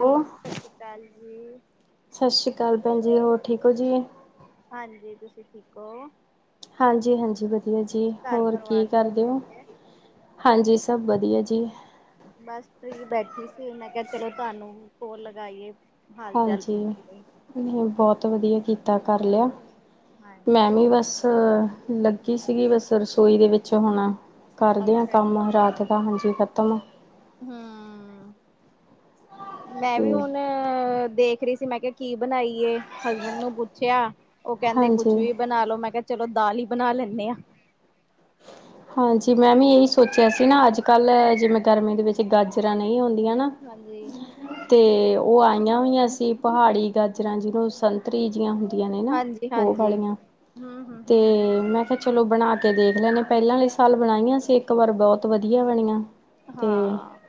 Hello, ਸਾਸਰੀਕਾਲ ਜੀ। ਸਾਸੀਕਾਲ ਭੈਣ ਜੀ, ਹੋਰ ਠੀਕ ਓ ਜੀ। ਹਾਂਜੀ ਤੁਸੀਂ ਠੀਕ ਓ? ਹਾਂਜੀ- ਹਾਂਜੀ ਵਧੀਆ ਜੀ, ਘਰ ਹੋਰ ਕੀ ਪਰਿਵਾਰ ਸਭ ਕਰਦੇ ਓ? ਠੀਕ ਹੈ? ਹਾਂਜੀ ਸਭ ਵਧੀਆ ਜੀ। ਬਸ ਫ੍ਰੀ ਬੈਠੀ ਸੀ, ਮੈਂ ਕਿਆ ਚਲੋ ਤੁਆਨੂੰ ਕੋਲ ਲਗਾਈਏ। ਹਾਲ ਚਾਲ ਪੁੱਛੀਏ, ਹਾਂਜੀ ਬੋਤ ਵਧੀਆ ਕੀਤਾ ਕਰ ਲਿਆ, ਮੈਂ ਹਾਂਜੀ। ਵੀ ਬਸ ਲੱਗੀ ਸੀਗੀ ਬਸ ਰਸੋਈ ਦੇ ਵਿੱਚ ਹੁਣ, ਕਰਦੇ ਆਂ ਅੱਛਾ ਕੰਮ ਜੀ। ਰਾਤ ਦਾ ਹਾਂਜੀ, ਖਤਮ। ਹੰਅ, ਮੈਂ ਵੀ ਤੇ ਹੁਣ ਦੇਖ ਰੀ ਸੀ। ਮੈਂ ਕਿਆ ਕੀ ਬਣਾਈਏ ਹਸਬੈਂਡ ਨੂੰ ਪੁੱਛਿਆ, ਓ ਕੈਂਦੇ ਕੁਛ ਹਾਂਜੀ ਵੀ ਬਣਾ ਲੋੋ। ਮੈਂ ਕਿਆ ਚਲੋ ਦਾਲ ਈ ਬਣਾ ਲੈਂਨੇ ਆ। ਹਾਂਜੀ, ਮੈਂ ਵੀ ਏਹੀ ਸੋਚਿਆ ਸੀ ਨਾ ਅੱਜ ਕੱਲ੍ਹ ਜਿਵੇਂ ਗਰਮੀਆਂ ਦੇ ਵਿੱਚ ਜੇ ਗਾਜਰਾਂ ਨਈਂ ਆਉਂਦੀਆਂ ਨਾ ਹਾਂਜੀ, ਤੇ ਓ ਆਈਆਂ ਹੋਈਆਂ ਸੀ ਪਹਾੜੀ ਗਾਜਰਾਂ ਜੀਨੂੰ ਸੰ ਸੰਤਰੀ ਜੀਆਂ ਹੁੰਦੀਆਂ ਨੇ ਨਾ ਹਾਂਜੀ, ਓ ਹਾਂਜੀ। ਪਾਲੀਆਂ ਹੂੰ, ਹੂੰ, ਤੇ ਹੂੰ। ਮੈਂ ਕੇਆ ਚਲੋ, ਬਣਾ ਕੇ ਦੇਖ ਲੈਣੇ ਆ। ਪੈਲਾਂ ਆਲੇ ਸਾਲ ਬਣਾਈਆਂ ਸੀ ਇੱਕ ਵਾਰ ਬੋਤ ਵਧੀਆ ਬਣੀਆਂ। ਤੇ ਹਾਂ,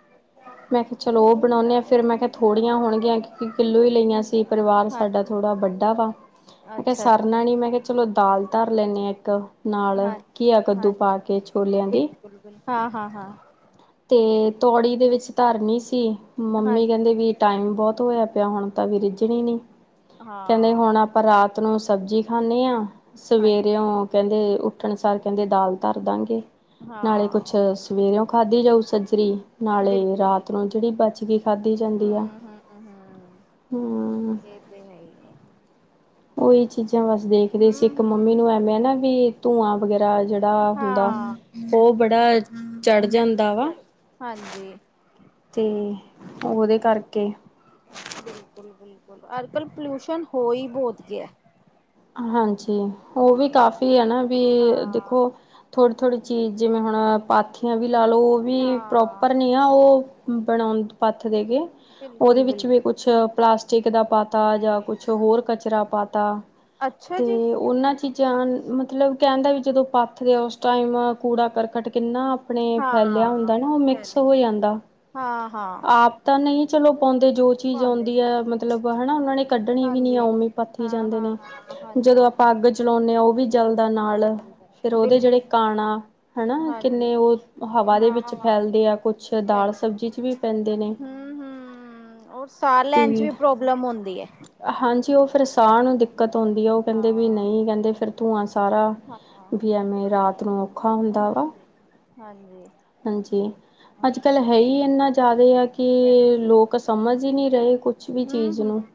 ਮੈਂ ਕਕੇਆ ਚਲੋ, ਓ ਬਣਾਉਂਨੇ ਆ ਫੇਰ ਮੈਂ ਕੇਆ ਥੋੜੀਆਂ ਹੋਣਗੀਆਂ ਕਿਉਂਕਿ ਕਿੱਲੋ ਈਂ ਲਈਆਂ ਸੀ। ਪਰਿਵਾਰ ਸਾਡਾ ਹਾਂਜੀ, ਥੋੜਾ ਵੱਡਾ ਵਾ, ਮੈਂ ਕੇਆ ਅੱਛਾ, ਸਰਨਾ ਅੱਛਾ, ਨੀ ਮੈਂ ਕੇਆ ਚਲੋ, ਦਾਲ ਧਰ ਲੈਂਨੇ ਆਂ ਇੱਕ ਨਾਲ ਕੀਆ ਕੱਦੂ। ਪਾ ਕੇ ਛੋਲਿਆਂ ਦੀ ਬਿਲਕੁਲੁ ਹਾਂ-ਹਾਂ-ਹਾਂ। ਤੇ ਤੌੜੀ ਦੇ ਵਿੱਚ ਧਰਨੀ ਸੀ, ਹਾਂ ਮੰਮੀ ਕੈਂਦੇ ਵੀ ਟਾਈਮ ਬੋਤ ਹਹੋਯਾ ਪਿਆ ਹੁਣ ਤਾਂ ਵੀ ਰਿੱਝਣੀ ਨੀਂ। ਕੈਂਦੇ ਹੁਣ ਹਾਂ ਆਪਾਂ ਰਾਤ ਨੂੰ ਸਬਜੀ ਖਾਂਨੇਆ, ਹਾਂਜੀ ਸਵੇਰੇਓ ਕੈਂਦੇ ਉੱਠਣ ਸਾਰ ਕੈਂਦੇ ਦਾਲ ਧਰ ਦਾਗੇ ਨਾਲੇ ਕੁਛ ਹਾਂ ਸਵੇਰੇਓ, ਖਾਧੀ ਜਾਊ ਸੱਜਰੀ। ਨਾਲੇ ਬਿਲਕੁਲ ਰਾਤ ਨੂੰ ਬਿਲਕੁਲ ਜੇੜੀ ਬਚ ਗਈ ਖਾਧੀ ਜਾਂਦੀ ਆ, ਹਮ ਹਮ ਹਮ ਹੂੰ। ਇਹ ਤੇ ਓਈ ਚੀਜ਼ਾਂ ਬਸ ਦੇਖਰੀ ਸੀ ਇੱਕ ਹਮ ਮੰਮੀ ਹਮ ਨੂੰ ਐਵੇਂ ਨਾ ਵੀ ਧੂੰਆਂ ਵਗੈਰਾ ਜੇੜਾ ਦਾ ਹੁੰਦਾ ਹਾਂ ਓ ਬੜਾ ਚੜ ਜਾਂਦਾ ਵਾ। ਚਲੋ ਹਾਂਜੀ। ਤੇ ਓਦੇ ਕਾਰਕੇ। ਬਿਲਕੁਲ-ਬਿਲਕੁਲ, ਅੱਜ-ਕੱਲ ਪੋਲਿਊਸ਼ਨ ਹੋਈ ਬੋਤ ਗਿਆ। ਹਾਂਜੀ, ਓ ਵੀ ਕਾਫੀ ਆਨਾ ਵੀ ਹਾਂ ਦੇਖੋ ਥੋੜ੍ਹੀ-ਥੋੜ੍ਹੀ ਜਿਵੇਂ ਹੁਣ ਪਾਥੀ ਥੀਆਂ ਵੀ ਲਾਲੋ ਓਵੀ ਹਾਂ ਪ੍ਰੋਪਰ ਨੀ ਆ ਓ ਬਣਾਉਣਦ ਪੱਥਦੇ ਗੇ। ਬਿਲਕੁਲ ਓਦੇ ਵਿੱਚ ਵੀ ਬਿਲਕੁਲ ਕੁਛ ਪਲਾਸਟਿਕ ਦਾ ਪਾਤਾ ਜਾਂ ਕੁਛ ਹੋਰ ਕਚਰਾ ਪਾਤਾ। ਅੱਛਾ ਜੀ ਤੇ ਓਨਾਂ ਚੀਜ ਜਾਂ ਮਤਲਬ ਕੈਨਦਾ ਵੀ ਜਦੋਂ ਪੱਥ ਦੇ ਉਸ ਟਾਈਮ ਕੂੜਾ ਕਰਕਟ ਕਿੰਨਾ ਆਪਨੇ ਫੈਲੇਆ ਹਾਂ ਹੁੰਦਾ ਨਾ ਓ ਮਿਕਸ ਚਲੇ ਹੋ ਜਾਂਦਾ ਹਾਂ ਹਾਂ ਆਪ ਤਾਂ ਨਈ ਚਲੋ ਪਾਂਦੇ ਜੋ ਚੀਜ ਪਾਉਂਦੇ ਆਉਂਦੀਐ ਮਤਲਬ ਹਨਾ ਓਨਾਂ ਨੇ ਕੱਢਣੀ ਵੀ ਨੀਐ ਹਾਂਜੀ ਓਵੀਂ ਪੱਥੀ ਹਾਂ ਜਾਂਦੇ ਹਾਂ ਨੇ ਜਦੋਂ ਹਾਂਜੀ ਆਪਾਂ ਅੱਗ ਚਲਾਉਂਨੇ ਆ ਓ ਵੀ ਜਲ ਦਾ ਨਾਲ ਫੇਰ ਓਦੇ ਜੇੜੇ ਬਿਲਕੁਲ ਕਣ ਆ ਹਨਾ, ਹਾਂਜੀ ਕਿੰਨੇ ਓ ਦ ਹਵਾ ਦੇ ਵਿੱਚ ਹਾਂ ਫੈਲਦੀਆ ਕੁਛ ਦਾਲ ਪਹਿਲ ਸਬਜੀ ਚ ਵੀ ਪੈਂਦੇ ਨੇ। ਹਮ ਹਮ ਔਰ ਸਾਹ ਲੈਣ ਚ ਤੇ ਵੀ ਪ੍ਰੋਬਲਮ ਓੰਦੀ ਐ। ਹਾਂਜੀ, ਓ ਫੇਰ ਸਾਹ ਨੂੰ ਦਿੱਕਤ ਆਉਂਦੀ ਆ, ਓ ਕੈਂਦੇ ਵੀ ਹਾਂ ਨਈਂ ਕੈਂਦੇ ਫੇਰ ਧੂੰਆਂ ਸਾਰਾ ਹਾਂ ਵੀ ਐਵੇਂ ਰਾਤ ਨੂੰ ਔਖਾ ਹੁੰਦਾ ਹਾਂਜੀ ਵਾ। ਹਾਂਜੀ ਹਾਂਜੀ ਅੱਜ-ਕੱਲ ਹੈਈ ਏਨਾ ਜਾਦਾ ਆ ਕਿ ਲੋਕ ਸਮਝ ਈ ਨੀਂ ਰਏ ਕੁਛ ਵੀ ਚੀਜ਼ ਨੂੰ ਹੂੰ-ਹੂੰ,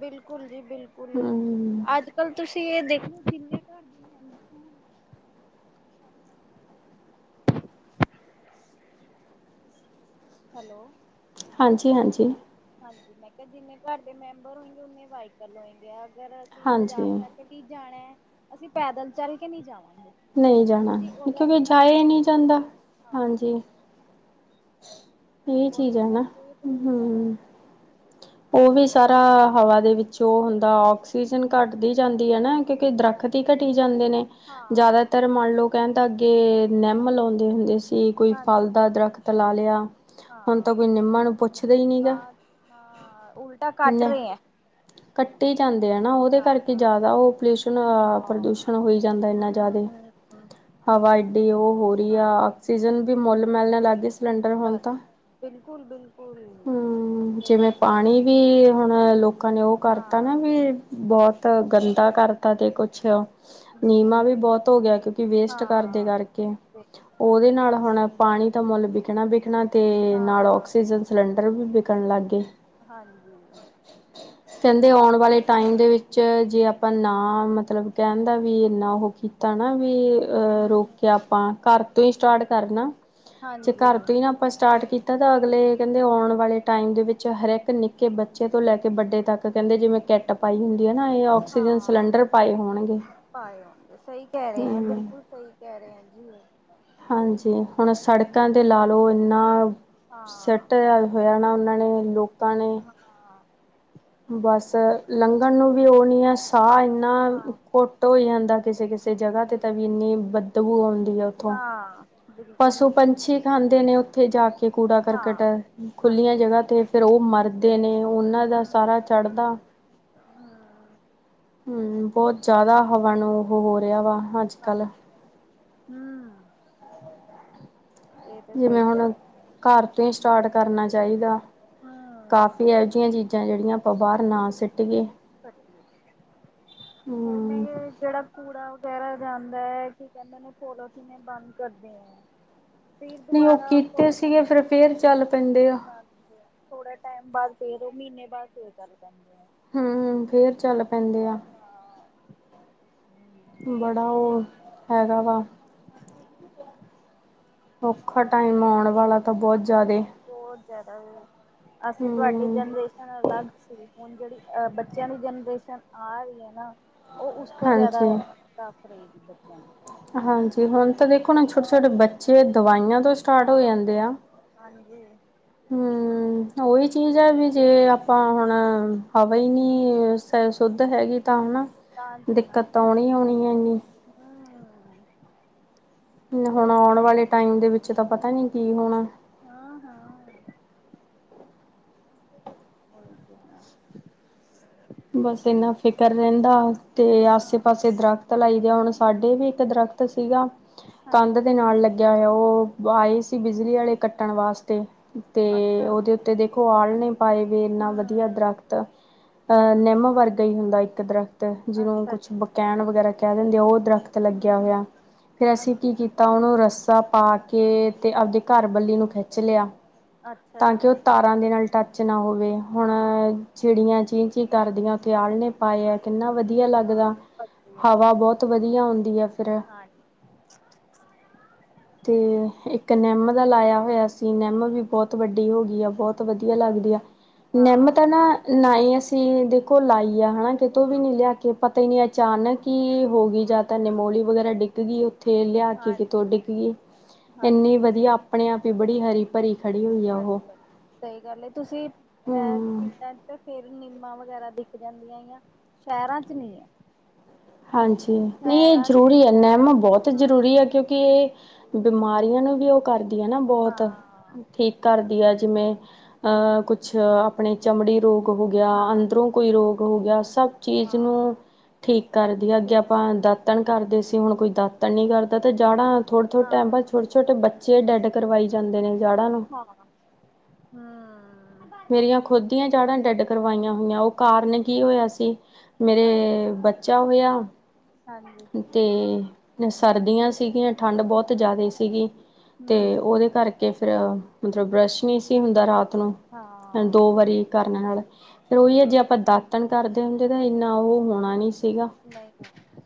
ਬਿਲਕੁਲ ਜੀ ਬਿਲਕੁਲ ਹੂੰ, ਅੱਜ ਕੱਲ ਤੁਸੀਂ ਏ ਦੇਖੋ ਕਿ [unintelligible] [inaudible] ਹੈਲੋ। ਹਾਂਜੀ-ਹਾਂਜੀ। ਹਾਂਜੀ ਮੈਂ ਕੇਆ ਜਿੰਨੇ ਘਰ ਦੇ ਮੈਂਬਰ ਹੁੰਦੇ ਓਨੇ ਵਾਈਕਲ ਹੋਏ ਗੇ। ਅਗਰ ਹਾਂਜੀ। ਅਸੀਬਾਜ਼ਾਰ ਹਾਂਜੀ ਤੱਕ ਅਸੀਂ ਜਾਨੈ, ਅਸੀ ਪੈਦਲ ਚੱਲ ਕੇ ਨੀਂ ਜਾਵਾਂਗੇ‌। ਨਈ ਜਾਣਾ ਕਿਉਂਕਿ ਜਾਇਆ ਈ ਨੀ ਜਾਂਦਾ ਹਾਂ ਹਾਂਜੀ ਏ ਉਹਦੇ ਚੀਜ਼ ਐ ਨਾ ਕਰਕੇ ਵੀ ਹੂ ਪੋਲਿਊਸ਼ਨ ਹੈ। ਓ ਵੀ ਸਾਰਾ ਹਵਾ ਦੇ ਵਿੱਚੋਂ ਓ ਹੁੰਦਾ ਓ ਕਸੀਜਨ ਹਮ ਘੱਟਦੀ ਜਾਂਦੀ ਐ ਨਾ ਕਿਉਂਕਿ ਦਰੱਖਤ ਈ ਹਾਂਜੀ ਘਟੀ ਜਾਂਦੇ ਨੇ ਹਾਂ ਜ਼ਿਆਦਾਤਰ ਮੰਨ ਲਓ ਕੈਣ ਦਾ ਅੱਗੇ ਨਿੰਮ ਲੋਦੇ ਹੁੰਦੇ ਸੀ ਕੋਈ ਹਾਂਜੀ ਫਲ ਦਾ ਦਰਖਤ ਲਾ ਲਿਆ। ਹੁਣ ਤਾਂ ਹਾਂ ਕੋਈ ਨਿੰਮਾ ਨੂੰ ਪੁੱਛਦਾ ਨੀ ਨਾ ਗਾ ਨਾ ਉਲਟਾ ਕੱਟ ਲੇ ਰਹੇ ਹੈ ਕੱਟੀ ਜਾਂਦੇ ਐ ਨਾ ਓਦੇ ਹਾਂ ਕਰਕੇ ਜ਼ਾਦਾ ਓ ਪੋਲਿਊਸ਼ਨ ਹਾਂ ਹਮ ਪ੍ਰਦੂਸ਼ਣ ਹੋਈ ਜਾਂਦਾ ਇੰਨਾ ਜ਼ਾਦੇ ਹਵਾ ਏਡੀ ਓ ਹੋ ਰੀ ਆ ਹਾਂਜੀ ਆਕਸੀਜਨ ਵੀ ਮੁੱਲ ਮਿਲਣ ਲੱਗਗੀ ਸ ਸਿਲੰਡਰ ਹੋਣ ਤਾਂ ਬਿਲਕੁਲ ਬਿਲਕੁਲ ਹੂੰ ਇਹ ਜਿਵੇਂ ਗੱਲ ਪਾਣੀ ਵੀ ਹੁਣ ਲੋਕਾਂ ਨੇ ਓ ਕਰਤਾ ਨਾ ਹਾਂ ਵੀ ਬੋਤ ਗੰਦਾ ਕਰਤਾ ਤੇ ਕੁਛ ਨੀਮਾਂ ਬਿਲਕੁਲ ਵੀ ਬੋਤ ਹੋ ਗਿਆ ਕਿਉਂਕਿ ਵੇਸਟ ਕਰਦੇ ਹਾਂ ਕਰਕੇ ਓਦੇ ਨਾਲ ਹੁਣ ਪਾਣੀ ਤਾਂ ਮੁੱਲ ਵਿਕਣਾ ਵਿਕਣਾ ਤੇ ਨਾਲ ਹਾਂ ਔਕਸੀਜ਼ਨ ਸਿਲੰਡਰ ਵੀ ਵਿਕਣ ਲੱਗ ਗਏ। ਹਾਂਜੀ ਕੈਂਦੇ ਹਮ ਆਉਣ ਵਾਲੇ ਟਾਈਮ ਦੇ ਵਿੱਚ ਚ ਜੇ ਆਪਾਂ ਨਾ ਮਤਲਬ ਕੈਣ ਦਾ ਵੀ ਇੰਨਾ ਓ ਕੀ ਤਾ ਨਾ ਵੀ ਅ ਰੋਕਿਆ ਆਪਾਂ ਘਰ ਤੋਂ ਈ ਸਟਾਟ ਕਰਨਾ। ਜੇ ਹਾਂਜੀ ਘਰ ਤੋਂ ਈ ਨਾ ਆਪਾਂ ਸਟਾਟ ਕੀਤਾ ਤਾਂ ਅਗਲੇ ਕੈਂਦੇ ਔਣ ਵਾਲੇ ਟਾਈਮ ਦੇ ਵਿੱਚ ਹਰਿਕ ਨਿੱਕੇ ਬੱਚੇ ਤੋਂ ਲੈ ਕੇ ਵੱਡੇ ਤੱਕ ਕੈਂਦੇ ਜਿਵੇਂ ਕੈਟਪ ਪਾਈ ਹੁੰਦੀ ਐ ਨਾ ਏ ਓ ਹਾਂ ਪਾਏ ਹੋਣਗੇ ਸਈ ਕੈਂ ਰੇ ਆ ਹਮ ਬਿਲਕੁਲ ਸਈ [unintelligible] ਇੰਜ ਈ ਓ ਹਾਂਜੀ ਹੁਣ ਸੜਕਾਂ ਤੇ ਲਾ ਲਓ ਏਨਾ ਹਾਂ ਸਿਟ ਆ ਹੋਇਆ ਨਾ ਓਨਾਂ ਨੇ ਲੋਕਾਂ ਨੇ ਹਾਂ-ਹਾਂ ਬਸ ਲੰਘਣ ਨੂੰ ਵੀ ਓ ਨੀ ਐ ਸਾਅ ਏਨਾ ਘੁ ਟ ਹੋਈ ਜਾਂਦਾ ਕਿਸੇ ਕਿਸੇ ਜਗ੍ਹਾ ਤੇ ਤਾਂ ਵੀ ਬਿਲਕੁਲ ਇੰਨੀ ਬਦਬੂ ਆਉਂਦੀ ਆ ਉੱਥੋਂ ਹਾਂ ਬੀ ਪਸੂ ਪੰਛੀ ਖਾਂਦੇ ਨੇ ਉੱਥੇ ਜਾ ਕੇ ਕੂੜਾ ਹਾਂ ਕਰਕਟ ਖੁੱਲੀਆਂ ਹਾਂਜੀ ਹੂੰ ਜਗ੍ਹਾ ਤੇ ਫੇਰ ਓ ਮਰਦੇ ਨੇ ਓਨਾਂ ਦਾ ਹੂੰ ਸਾਰਾ ਚੜ੍ਹਦਾ ਹੂੰ ਬਹੁਤ ਜ਼ਾਦਾ ਹਵਾ ਨੂੰ ਓ ਹੋ ਰੇਆ ਵਾਹ ਹਾਜੀ ਹੂੰ ਇਹ ਤੇ ਜਿਵੇ ਸਹੀ ਕਹਿ ਹੁਣ ਘਰ ਤੋਂ ਈ ਸਟਾਟ ਕਰਨਾ ਚਾਈਦਾ ਕਾਫੀ ਹੂੰ ਏਓ ਜਿਆ ਚੀਜ਼ਾਂ ਜੇੜੀਆਂ ਓ ਬਾਰ ਨਾਂ ਸਟੀਏ। ਸਟੀਏ [inaudible] ਹੁਣ ਏਹ ਜੇੜਾ ਕੂੜਾ ਵਗੈਰਾ ਜਾਂਦਾ ਐ ਕੀ ਕੈਂਦੇ ਨੇ ਪੋਲੋਥੀਨ ਏ ਬੰਦ ਕਰਦੇ ਏ ਫਿਰ ਨਹੀਂ ਉਹ ਦੁਬਾਰਾ ਕੀਤੇ ਸੀਗੇ ਪੋਲੋਥੀਨ ਫਿਰ ਫੇਰ ਚੱਲ ਪੈਂਦੇ ਆ ਥੋੜਾ ਟੈਮ ਬਾਦ ਫੇਰ ਓ ਮੀਨੇ ਬਾਦ ਫਿਰ ਚਲ ਪੈਂਦੇ ਆ। ਹੂੰ ਫੇਰ ਚੱਲ ਪੈਦੇ ਆ। ਹਾਂ ਬੜਾ ਓ ਹੈਗਾ ਵਾ ਔਖਾ ਟਾਈਮ ਆਉਣ ਵਾਲਾ ਤਾਂ ਬੋਤ ਜ਼ਾਦੇ ਬੋਤ ਜ਼ਾਦਾ ਓ ਅਸੀਂ ਤੁਆਡੇ ਹਮ ਜਨਰੇਸ਼ਨ ਅਲੱਗ ਸੀ ਹੁਣ ਜੇੜੀ ਅਹ ਬੱਚਿਆਂ ਦੀ ਜਨਰੇਸ਼ਨ ਆ ਰਹੀ ਐ ਨਾ ਓ ਉਸ ਤੋਂ ਜਾਦਾ ਹਾਂਜੀ ਟਫ ਰਏਗੀ ਬੱਚਿਆਂ ਨੂੰ। ਹਾਂਜੀ ਹੁਣ ਤੇ ਦੇਖੋ ਨਾ ਛੋਟੇ-ਛੋਟੇ ਬੱਚੇ ਦਵਾਈਆਂ ਤੋਂ ਸਟਾਰਟ ਹਾਂ, ਹਾਂਜੀ। ਹੂੰ, ਓਹੀ ਚੀਜ਼ ਏ‌ ਵੀ ਜੇ ਆਪਾਂ ਹੁਣ ਹਵਾ ਈ ਨੀ ਹੇ ਸ਼ੁੱਧ ਹੈਗੀ ਤਾਂ ਹਨਾ। ਤਾ ਜੀ ਨਾ, ਦਿੱਕਤ ਤਾਂ ਆਉਣੀ ਆਉਣੀ ਹੈ ਇੰਨੀ ਹੂੰ। ਹੁਣ ਆਉਣ ਵਾਲੇ ਟਾਈਮ ਦੇ ਵਿੱਚ ਤਾਂ ਪਤਾ ਨੀ ਕੀ ਹੋਣਾ! ਹਾਂ-ਹਾਂ! ਹੋਈ ਜਾਣਾ। ਬਸ ਇੰਨਾ ਫਿਕਰ ਰੈਂਦਾ ਤੇ ਆਸੇ ਹਾਂ ਪਾਸੇ ਦਰਖ ਲਾਈ ਦੇ, ਹੁਣ ਸਾਡੇ ਵੀ ਇੱਕ ਦਰਖਤ ਸੀਗਾ ਕੰਧ ਹਾਂਜੀ ਦੇ ਨਾਲ ਲਗ ਗਿਆ ਹੋਆ, ਓ ਆਏ ਸੀ ਬਿਜਲੀ ਆਲ਼ੇ ਕੱਟਣ ਵਾਸਤੇ ਤੇ ਅੱਛਾ ਓਦੇ ਤੇ ਦੇਖੋ ਆਲਣੇ ਪਾਏ ਵੇ ਇੰਨਾ ਵਧੀਆ ਹਮ ਦਰੱਖਤ। ਅ ਨਿੰਮ ਵਰਗਾ ਹੀ ਹੁੰਦਾ ਇੱਕ ਦਰਖ਼ਤ ਜਿਨੂੰ ਅੱਛਾ ਕੁਛ ਬਕੈਣ ਵਗੈਰਾ ਕੈ ਦਿੰਦੇ ਆ ਓ ਦਰਖਤ ਹਮ ਲਗਿਆ ਹਮ ਹੋਇਆ, ਫੇਰ ਅਸੀ ਅੱਛਾ ਕੀ-ਕੀ ਤਾਂ ਓਨੂੰ ਰੱਸਾ ਪਾ ਕੇ ਤੇ ਆਪਦੇ ਘਰ ਬੱਲੀ ਨੂੰ ਖਿੱਚ ਲਿਆ। ਅੱਛਾ ਤਾਂ ਜੀ ਕਿ ਓ ਤਾਰਾਂ ਦੇ ਨਾਲ ਟੱਚ ਨਾ ਹੋਵੇ, ਹੁਣ ਹਾਂ ਚਿੜੀਆਂ ਚੀ-ਚੀ ਚੀ ਕਰਦੀਆਂ, ਓਥੇ ਆਲ੍ਹਣੇ ਪਾਏ ਆ ਕਿੰਨਾ ਵਧੀ ਵਧੀਆ ਹਾਂ ਲੱਗਦਾ, ਵਧੀਆ ਹਵਾ ਲੱਗਿਆ ਬੋਤ ਵਧੀਆ ਆਉਦੀ ਐ ਫਿਰ। ਹਾਂ ਤੇ ਇੱਕ ਨਿੰਮ ਦਾ ਲਾਇਆ ਹੋਇਆ ਸੀ, ਨਿੰਮ ਵੀ ਬੋਤ ਵੱਡੀ ਹੋ ਗੀ ਆ ਬੋਤ। ਵਧੀਆ ਲੱਗਦੀ ਆ, ਅੱਛਾ ਨਿੰਮ ਤੇ ਹਾਂ ਨਾ ਨਾਈ ਅਸੀ ਦੇਖੋ ਲਾਈ ਆ ਹਣਾ, ਕਿਤੋਂ ਵੀ ਨੀਂ ਲਿਆ ਕੇ ਪਤਾ ਈ ਨੀਂ ਅਚਾਨਕ ਹੀ ਹੋ ਗੀ ਜਾਂ ਤਾਂ ਨਿਮੋਲੀ ਵਗੈਰਾ ਡਿੱਗ ਗੀ ਉ ਉੱਥੇ ਲਿਆ ਕੇ ਹਾਂਜੀ ਕਿਤੋਂ ਡਿੱਗ ਗੀ, ਇੰਨੀ ਹਾਂਜੀ ਵਧੀਆ ਆਪਣੇ ਆਪ ਹੀ ਬੜੀ ਹਰੀ ਭਰੀ ਖੜੀ ਹੋ ਅੱਛਾ! ਸਈ ਗੱਲ ਏ, ਤੁਸੀਂ ਐ ਹੂੰ [unintelligible] ਫਿਰ ਨਿੰਮਾਂ ਵਗੈਰਾ ਦਿਖ ਜਾਂਦੀਆਂ ਯਾ, ਸ਼ੈਰਾਂ ਚ ਨੀ ਐ। ਹਾਂਜੀ! ਨੀਂ ਐ ਚ ਤੇ ਜਰੂਰੀ ਐ ਹੈ ਬਹੁਤ ਨਿੰਮ ਬੌਤ ਹਾਂ ਜ਼ਰੂਰੀ ਐ ਕਿਉਂਕਿ ਏ ਬਿਮਾਰੀਆਂ ਨੂੰ ਵੀ ਓ ਕਰਦੀ ਐ ਨਾ ਬੋਤ, ਹਾਂ ਠੀਕ ਕਰਦੀ ਆ ਜਿਵੇਂ। ਅ ਬਿਲਕੁਲ ਕੁਛ ਆਪਣੇ ਚਮੜੀ ਰੋਗ ਹੋ ਗਿਆ, ਹਾਂ ਅੰਦਰੋਂ ਕੋਈ ਰੋਗ ਹੋ ਗਿਆ ਸਭ ਚੀਜ਼ ਨੂੰ ਹਾਂ ਠੀਕ ਕਰਦੀ ਆ, ਜੇ ਠੀਕ ਹੈ ਆਪਾਂ ਦਾ ਤਣ ਕਰਦੇ ਸੀ, ਹੁਣ ਕੋਈ ਦਾਤਣ ਨੀ ਕਰਦਾ ਤੇ ਜਾੜਾਂ ਥੋੜੇ-ਥੋੜੇ ਹਾਂ ਟਾਈਮ ਵਾਦ ਛੋਟ ਛੋਟੇ ਬੱਚੇ ਡੈਡ ਕਰਵਾਈ ਜਾਂਦੇ ਨੇ ਜਾੜਾਂ ਨੂੰ। ਹਾਂ, ਹੂੰ। ਮੇਰੀਆਂ ਖੁਦ ਦੀਆਂ ਜਾੜਾਂ ਡੈਡ ਕਰਵਾਈਆਂ ਹੋਈਆਂ, ਓ ਕਾਰਨ ਕੀ ਹੋਇਆ ਸੀ ਹਾਂਜੀ ਮੇਰੇ ਬੱਚਾ ਹੋਇਆ ਹਾਂਜੀ ਤੇ ਸਰਦੀਆਂ ਸੀਗੀਆਂ, ਠੰਡ ਬੋਤ ਜਾਦੇ ਸੀ ਸੀਗੀ ਤੇ ਹਮ ਓਦੇ ਕਰਕੇ ਫਿਰ ਮਤਲਬ ਬਰੱਸ਼ ਨੀ ਸੀ ਹੁੰਦਾ ਰਾਤ ਨੂੰ ਹਾਂ। ਦੋ ਵਾਰੀ ਕਰਨ ਨਾਲ਼ ਫਿਰ ਓਈ ਏ ਜੇ ਆਪਾਂ ਦਾਤਣ ਕਰਦੇ ਹੁੰਦੇ ਤਾਂ ਇੰਨਾ ਓ ਹੋਣਾ ਨੀ ਸੀਗਾ। ਨਈਂ-ਨਈਂ,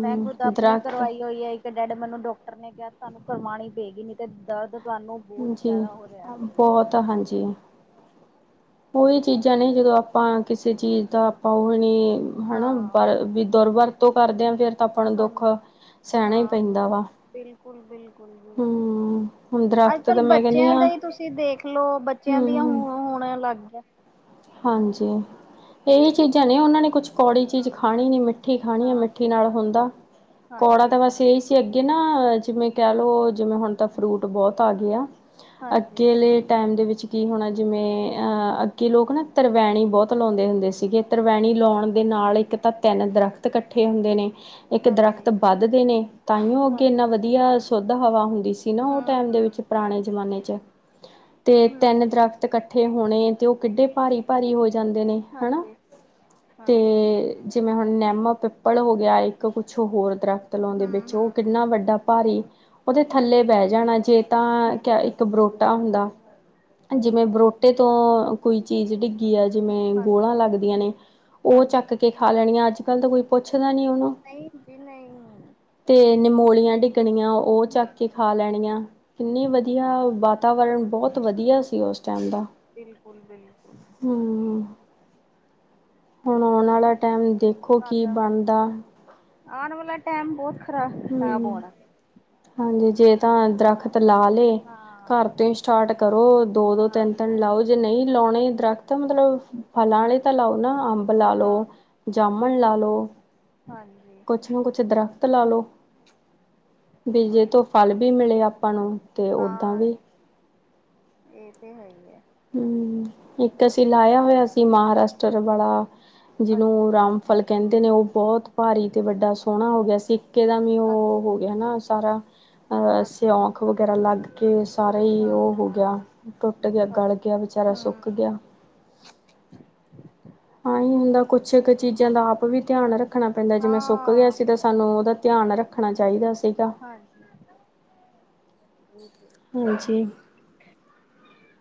ਮੈਂ ਖੁਦ ਆਪਣੀ ਦਰਖਤ ਕਰਵਾਈ ਹੋਈ ਐ ਇੱਕ ਕ ਡੈਡ ਮੈਨੂੰ ਡਾਕਟਰ ਨੇ ਕਿਹਾ ਤੁਹਾਨੂੰ ਕਰਵਾਣੀ ਪਏਗੀ ਨੀ ਤੇ ਦਰਦ ਤੁਹਾਨੂੰ ਬਹੁਤ ਜੀ, ਜ਼ਿਆਦਾ ਹੋ ਰਿਹਾ ਕਰੇਗੀ ਬੌਤ ਹਾਂਜੀ। ਓਈ ਚੀਜ਼ਾਂ ਨੇ ਜਦੋਂ ਆਪਾਂ ਕਿਸੇ ਚੀਜ਼ ਦਾ ਆਪਾਂ ਓ ਨੀਂ ਹੈਣਾ, ਹਾਂ ਬ-ਬੀ ਦੁਰਵਰਤੋਂ ਕਰਦੇ ਆ ਫਿਰ ਤਾਂ ਆਪਣਾ ਦੁੱਖ ਹਾਂਜੀ ਸੈਣਾ ਈ ਹਾਂ ਪੈਂਦਾ ਵਾ ਬਿਲਕੁਲ ਹੂੰ, ਹੁਨ ਦਰੱਖ਼ ਕੱਲ ਬੱਚਿਆਂ ਦਾ ਹੀ ਤੁਸੀਂ ਦੇਖਲਓ, ਬੱਚਿਆਂ ਦੀਆਂ ਹੂੰ, ਹੋਣ ਅਲੱਗ ਆ ਹਾਂਜੀ। ਇਹਹੀ ਚੀਜ਼ਾਂ ਨੇ ਉਹਨਾਂ ਨੇ ਕੁਛ ਕੌੜੀ ਚੀਜ਼ ਹਾਂ ਖਾਣੀ ਨੀ ਮਿੱਠੀ ਖਾਣੀ ਏ ਨਾ ਮਿੱਠੀ ਨਾਲ ਹੁੰਦਾ ਕੋੜਾ ਹਾਂਜੀ ਤਾਂ ਬਸ ਏਹੀ ਸੀ। ਤੇ ਅੱਗੇ ਨਾ ਜਿਵੇਂ ਕਹਿ ਲੋਓ ਜਿਵੇਂ ਹੁਣ ਤਾਂ ਫਰੂਟ ਬਹੁਤ ਆ ਗਏ ਆ। ਹਾਂਜੀ ਅੱਗੇਲੇ ਟੈਮ ਦੇ ਵਿੱਚ ਕੀ ਹੋਣਾ ਜਿਵੇਂ ਅ ਅੱਗੇ ਲੋਕ ਨਾ ਤਰਵੈਣੀ ਬਹੁਤ ਲਾਉਂਦੇ ਹੁੰਦੇ ਸੀਗੇ, ਤਰਵੈਣੀ ਲਾਉਣ ਅੱਛਾ ਦੇ ਨਾਲ ਇੱਕ ਤਾਂ ਤਿੰਨ ਦਰਖਤ ਇਕੱਠੇ ਹੁੰਦੇ ਨੇ ਇੱਕ ਦਰਖਤ ਹਾਂਜੀ ਵੱਧਦੇ ਨੇ ਤਾਂਓ ਅੱਗੇ ਹਾਂਜੀ ਇੰਨਾ ਵਧ ਆ ਸੁੁੱਧ ਹਵਾ ਹੁੰਦੀ ਸੀ ਨਾ ਉਹ ਹਮ ਟਾਈਮ ਦੇ ਹਮ ਵਿੱਚ ਪੁਰਾਣੇ ਜਮਾਨੇ ਚ ਤੇ ਹਮ ਤਿੰਨ ਦਰਖ਼ਤ ਇਕੱਠੇ ਹੋਣੇ ਤੇ ਉਹ ਕਿੱਡੇ ਭਾਰੀ ਭਾਰੀ ਹੋ ਜਾਂਦੇ ਨੇ ਹਨਾ ਹਾਂਜੀ ਤੇ ਹਾਂਜੀ ਜਿਵੇਂ ਹੁਣ ਨਿੰਮ, ਪਿੱਪਲ ਹੋ ਗਿਆ, ਇੱਕ ਪਿਛੋਂ ਹੋਰ ਦਰੱਖ਼ਤ ਪੱਤਲੋਂ ਦੇ ਹਮ ਵਿੱਚ ਉਹ ਹਮ ਕਿੰਨਾ ਵੱਡਾ ਭਾਰੀ ਉਹਦੇ ਹਾਂਜੀ ਥੱਲੇ ਬਹਿ ਜਾਣਾ ਜੇ ਤਾਂ ਕ ਬਰੋਟਾ ਹੁੰਦਾ ਜਿਵੇਂ ਬਰੋਟੇ ਤੋਂ ਕੋਈ ਚੀਜ਼ ਡਿੱਗੀ ਆ ਜਿਵੇਂ ਹਾਂ ਗੋਲਾਂ ਲੱਗਦੀਆਂ ਨੇ ਉਹ ਹਾਂਜੀ ਚੱਕ ਕੇ ਖਾ ਲੈਣੀਆਂ, ਅੱਜ ਕੱਲ ਤੇ ਕੋਈ ਪੁੱਛਦਾ ਉਹਨੂੰ ਨਹੀਂ ਜੀ ਨਹੀਂ ਤੇ ਨਿਮੋਲੀਆਂ ਡਿੱਗਣੀਆਂ ਉਹ ਚੱਕ ਕੇ ਹਮ ਖਾ ਲੈਣੀਆਂ। ਕਿੰਨੀ ਵਧੀਆ ਵਾਤਾਵਰਨ ਬਹੁਤ ਵਧੀਆ ਸੀ ਉਸ ਟਾਈਮ ਦਾ। ਬਿਲਕੁਲ ਬਿਲਕੁਲ। ਹੂੰ ਹੁਣ ਆਉਣ ਵਾਲਾ ਟਾਈਮ ਦੇਖੋ ਕੀ ਬਣਦਾ। ਆਣ ਵਾਲਾ ਟਾਈਮ ਬਹੁਤ ਖਰਾਬ ਖਰਾਬ ਹਮ ਹੋਣਾ। ਹਾਂਜੀ। ਜੇ ਤਾਂ ਦਰਖ਼ਤ ਲ ਤੇ ਹਾਂ ਘਰ ਤੇ ਸਟਾਰਟ ਕਰੋ ਦੋ ਦੋ ਹਾਂ ਤਿੰਨ ਤਿੰਨ ਲਾਓ ਜੇ ਨਹੀਂ ਲਾਉਣੇ ਦਰੱਖ਼ਤ ਮਤਲਬ ਫ਼ਲਾ ਆਲੇ ਤਾਂ ਲਾਓ ਨਾ ਅੰਬ ਲਾਲਓ, ਹਾਂ ਜਾਮੁਣ ਬਿਲ ਲਾ ਲਓ ਹਾਂਜੀ। ਕੁਛ ਨਾ ਕੁਛ ਦਰਖ਼ਤ ਲਾ ਲੋ, ਬੀਜੇ ਉਹੀ ਤੋਂ ਫ਼ਲ ਵੀ ਮਿਲੇ ਆਪਾਂ ਨੂੰ। ਤੇ ਓਦਾਂ ਹਾਂ, ਵੀ ਇਹ ਤੇ ਹੈ ਈ ਏ। ਹੂੰ, ਇੱਕ ਤੇ ਅਸੀ ਲਾਇਆ ਹੋਇਆ ਸੀ ਮਹਾਰਾਸ਼ਟਰ ਵਾਲਾ ਅੱਛਾ ਜਿਹਨੂੰ ਰਾਮ ਫ਼ਲ ਕਹਿੰਦੇ ਨੇ ਉਹ ਬਹੁਤ ਭਾਰੀ ਤੇ ਵੱਡਾ ਸੋਹਣਾ ਹੋ ਗਿਆ ਸੀ, ਇੱਕੇ ਦਮ ਵੀ ਉਹ ਅੱਛਾ ਹੋ ਗਿਆ ਨਾ ਸਾਰਾ ਅਹ ਅੱਛਾ ਸਿਉਂਕ ਵਗੈਰਾ ਲੱਗ ਕੇ ਸਾਰਾ ਹੀ ਉਹ ਹੋ ਹਾਂ ਗਿਆ। ਟੁੱਟ ਗਿਆ, ਗਲ ਗਿਆ, ਵਿਚਾਰਾ ਸੁੱਕ ਹਮ ਗਿਆ। ਆਈ ਹੀ ਹੁੰਦਾ ਕੁਛ ਕੁ ਚੀਜ਼ਾਂ ਦਾ ਆਪ ਵੀ ਧਿਆਨ ਰੱਖਣਾ ਪੈਂਦਾ ਜਿਵੇਂ ਸੁੱਕ ਗਿਆ ਹਾਂ ਸੀ ਤੇ ਸਾਨੂੰ ਉਹਦਾ ਧਿਆਨ ਰੱਖਣਾ ਚਾਹੀਦਾ ਸੀਗਾ। ਹਾਂਜੀ। ਇਹ ਤੇ ਹਾਂਜੀ।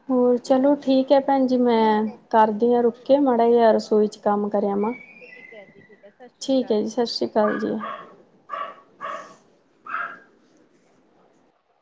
ਹੋਰ ਚਲੋ ਠੀਕ ਤੇ ਭੈਣ ਜੀ ਮੈਂ ਠੀਕ ਹੈ ਕਰਦੀ ਹਾਂ ਰੁਕ ਕੇ ਮਾੜਾ ਜਿਹਾ ਰਸੋਈ ਚ ਕੰਮ ਕਰਿਆ ਆਵਾ। ਠੀਕ ਹੈ ਜੀ, ਠੀਕ ਹੈ ਸਤਿ ਸ਼੍ਰੀ ਅਕਾਲ ਜੀ। ਕੱਲ ਜੀ। [inaudible]